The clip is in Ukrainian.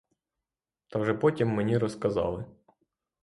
Та вже потім мені розказали.